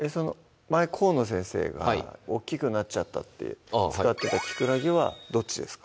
前河野先生が「大っきくなっちゃった」って使ってたきくらげはどっちですか？